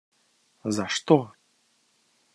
За что?